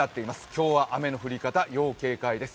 今日は雨の降り方、要警戒です。